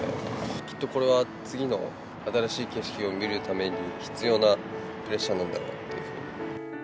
きっとこれは次の新しい景色を見るために、必要なプレッシャーなんだろうというふうに。